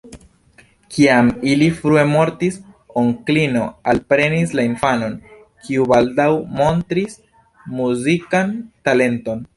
Kiam ili frue mortis, onklino alprenis la infanon, kiu baldaŭ montris muzikan talenton.